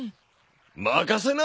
任せな！